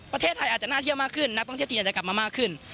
ประเทศไทยอาจจะน่าเที่ยวมากขึ้นนักท่องเที่ยวจีนอาจจะกลับมามากขึ้น